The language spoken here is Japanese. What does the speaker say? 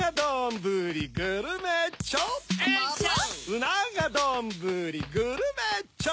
うながどんぶりグルメッチョ！